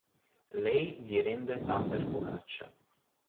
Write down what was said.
Lei gli rende pan per focaccia.